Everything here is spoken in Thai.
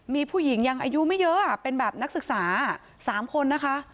มีผู้หญิงยังอายุไม่เยอะเป็นแบบนักศึกษา๓คนนะคะ